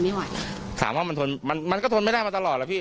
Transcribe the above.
ไหวถามว่ามันทนมันมันก็ทนไม่ได้มาตลอดล่ะพี่